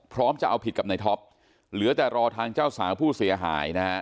จะเอาผิดกับในท็อปเหลือแต่รอทางเจ้าสาวผู้เสียหายนะฮะ